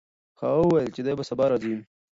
هغه وویل چې دی به سبا راځي.